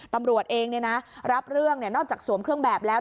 ตำรวจเองรับเรื่องนอกจากสวมเครื่องแบบแล้ว